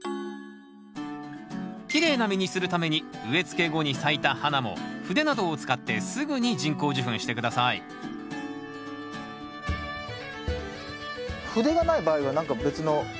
きれいな実にするために植えつけ後に咲いた花も筆などを使ってすぐに人工授粉して下さい筆がない場合は何か別の代わりはありますか？